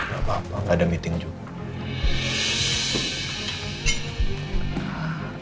gak apa apa nggak ada meeting juga